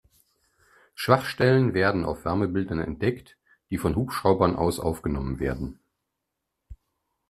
Schwachstellen werden auf Wärmebildern entdeckt, die von Hubschraubern aus aufgenommen werden.